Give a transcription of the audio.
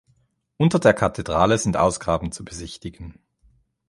Unter der Kathedrale sind Ausgrabungen zu besichtigen.